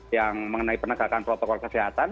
yang mengenai penegakan protokol kesehatan